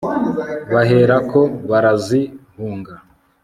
bahera ko barazihunga